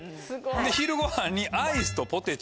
昼ごはんにアイスとポテチ。